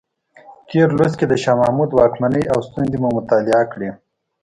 تېر لوست کې د شاه محمود واکمنۍ او ستونزې مو مطالعه کړې.